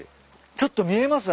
ちょっと見えます？